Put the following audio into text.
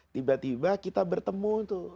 tiba tiba kita bertemu